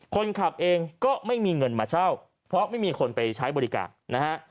คนขับเองก็ไม่มีเงินมาเช่าเพราะไม่มีคนไปใช้บริการนะฮะ